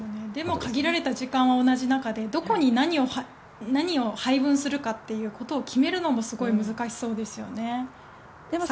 でも限られた時間は同じの中でどこに何を配分するかというのを決めるのもすごい難しそうですよね。